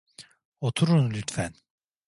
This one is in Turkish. Oturun lütfen.